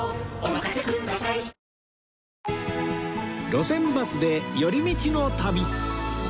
『路線バスで寄り道の旅』